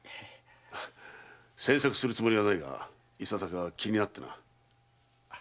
詮索するつもりはないがいささか気になってな。